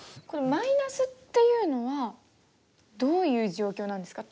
マイナスっていうのはどういう状況なんですか？